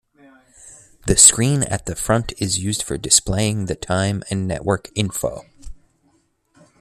The screen at the front is used for displaying the time and network info.